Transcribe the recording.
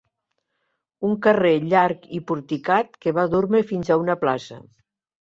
Un carrer llarg i porticat que va dur-me fins a una plaça